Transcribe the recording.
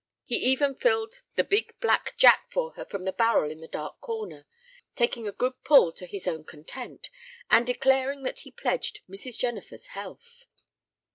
He even filled the big, black jack for her from the barrel in the dark corner, taking a good pull to his own content, and declaring that he pledged Mrs. Jennifer's health.